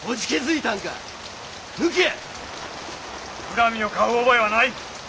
恨みを買う覚えはない。